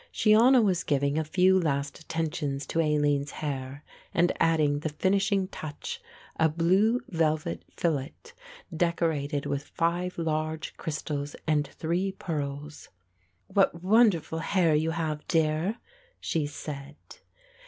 Shiona was giving a few last attentions to Aline's hair and adding the finishing touch, a blue velvet fillet decorated with five large crystals and three pearls; "What wonderful hair you have, dear!" she said.